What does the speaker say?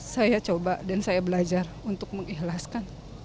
saya coba dan saya belajar untuk mengikhlaskan